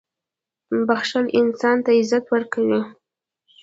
• بښل انسان ته عزت ورکوي.